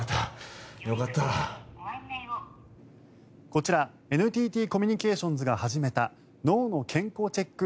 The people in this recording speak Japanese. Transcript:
こちらＮＴＴコミュニケーションズが始めた脳の健康チェック